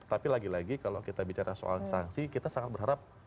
tapi lagi lagi kalau kita bicara soal sanksi kita sangat berharap